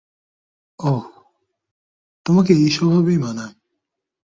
ওহ, তোমাকে এই স্বভাবেই মানায়।